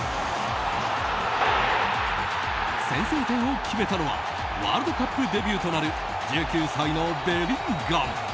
先制点を決めたのはワールドカップデビューとなる１９歳のベリンガム。